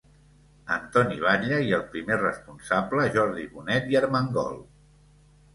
Antoni Batlle, i el primer responsable Jordi Bonet i Armengol.